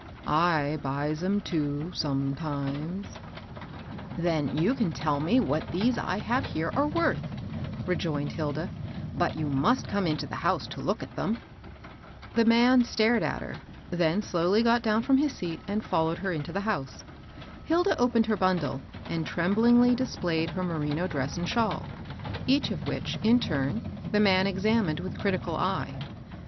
I buys 'em too, sometimes." " Then you can tell me what these I have here are worth," rejoined Hilda, ^i But you must come into the house to look at them." Hilda and thb Rao Merchant. Page S43. THE RAG MERCHANTS. 343 The man stared at her ; then slowly got down from his seat and followed her into the house. Hilda opened her bundle, and tremblingly displayed her merino dress and shawl ; each of which, in turn, the man examined with critical eye.